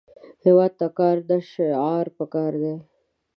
هیواد ته کار، نه شعار پکار دی